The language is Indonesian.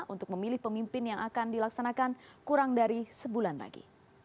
untuk memilih pemimpin yang akan dilaksanakan kurang dari sebulan lagi